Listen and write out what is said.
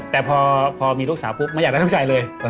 แต่พอมีลูกสาวปุ๊บไม่อยากได้ลูกชายเลย